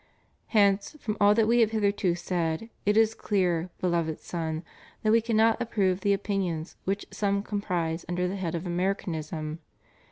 Hence, from all that We have hitherto said, it is clear, Beloved Son, that We cannot approve the opinions which some comprise under the head of Americanism.